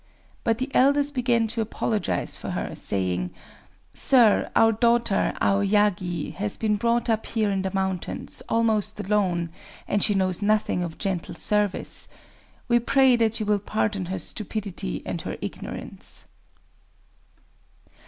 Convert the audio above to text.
But the elders began to apologize for her, saying: "Sir, our daughter, Aoyagi, has been brought up here in the mountains, almost alone; and she knows nothing of gentle service. We pray that you will pardon her stupidity and her ignorance."